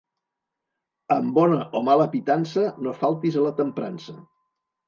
Amb bona o mala pitança no faltis a la temprança.